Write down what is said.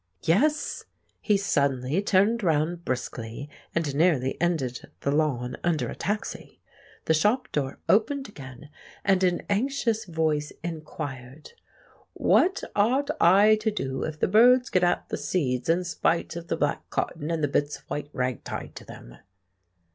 Yes! He suddenly turned round briskly (and nearly ended the lawn under a taxi), the shop door opened again, and an anxious voice inquired, "What ought I to do if the birds get at the seeds in spite of the black cotton and the bits of white rag tied to them?"